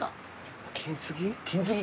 金継ぎ？